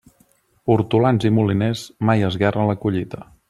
Hortolans i moliners, mai esguerren la collita.